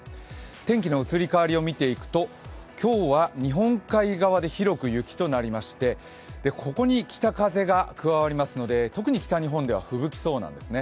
天気の移り変わりを見ていくと、今日は日本海側で広く雪となりまして、ここに北風が加わりますので、特に北日本ではふぶきそうなんですね。